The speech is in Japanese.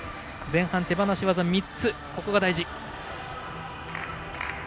前半、手放し技３つが大事。